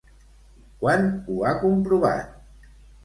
Quan ho ha comprovat?